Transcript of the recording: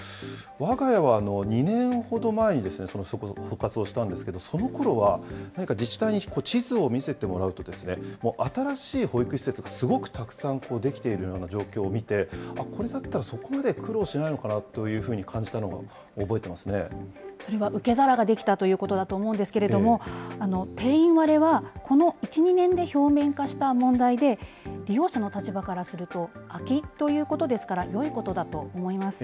わが家は２年ほど前に保活をしたんですけど、そのころは何か自治体に地図を見せてもらうと、もう新しい保育施設がすごくたくさん出来ているような状況を見て、あっ、これだったら、そこまで苦労しないのかな？というふうに感それは受け皿が出来たということだと思うんですけれども、定員割れはこの１、２年で表面化した問題で、利用者の立場からすると、空きということですから、よいことだと思います。